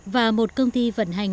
và một công ty vận hành